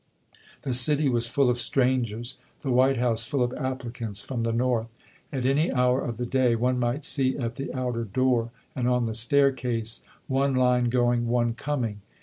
The city was full of strangers ; the White House full of applicants from the North. At any hour of the day one might see at the outer door and on the staii'case, one line goiug, one coming.